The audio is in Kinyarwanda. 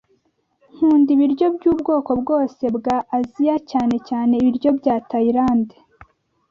Nkunda ibiryo byubwoko bwose bwa Aziya, cyane cyane ibiryo bya Tayilande.